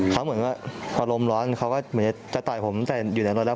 เขาเหมือนว่าอารมณ์ร้อนเขาก็เหมือนจะต่อยผมแต่อยู่ในรถแล้ว